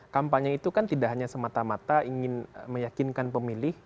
kampanye itu kan tidak hanya semata mata ingin meyakinkan pemilih